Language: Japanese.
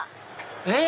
えっ！